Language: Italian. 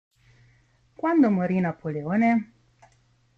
Quando morì Napoleone?